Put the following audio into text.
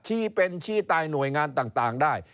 ชี้เป็นชี้ตายหน่วยงานต่างได้